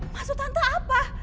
masuk tante apa